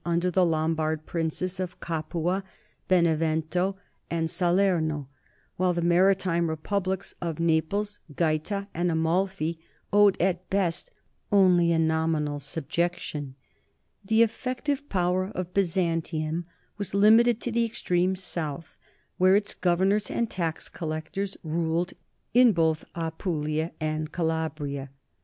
198 NORMANS IN EUROPEAN HISTORY the Lombard princes of Capua, Benevento, and Sa lerno, while the maritime republics of Naples, Gaeta, and Amalfi owed at best only a nominal subjection. The effective power of Byzantium was limited to the extreme south, where its governors and tax collectors ruled in both Apulia and Calabria.